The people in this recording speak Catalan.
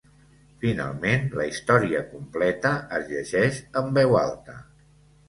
Finalment, la història completa es llegeix en veu alta.